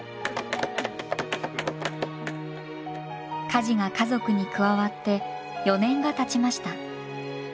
カジが家族に加わって４年がたちました。